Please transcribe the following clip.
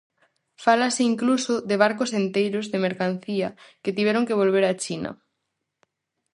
Fálase incluso de barcos enteiros de mercancía que tiveron que volver a China.